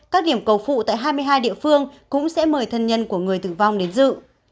các điểm cầu phụ tại hai mươi hai địa phương cũng sẽ mời thân nhân của người tử vong đến dự